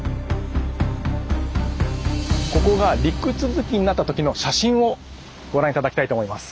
ここが陸続きになったときの写真をご覧頂きたいと思います。